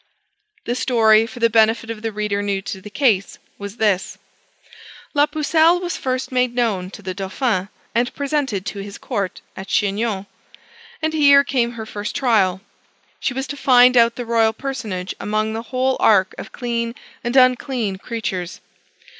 The story, for the benefit of the reader new to the case, was this: La Pucelle was first made known to the Dauphin, and presented to his court, at Chinon: and here came her first trial. She was to find out the royal personage amongst the whole ark of clean and unclean creatures.